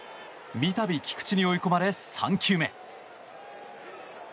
三度菊池に追い込まれ３球目。